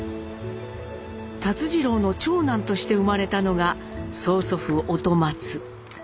辰次郎の長男として生まれたのが曽祖父音松。